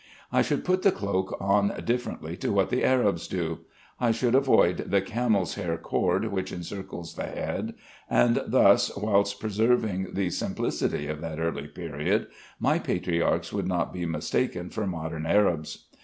I should put the cloak on differently to what the Arabs do. I should avoid the camel's hair cord which encircles the head, and thus, whilst preserving the simplicity of that early period, my patriarchs would not be mistaken for modern Arabs.